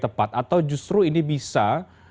tepat atau justru ini bisa